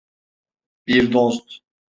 Bir dost.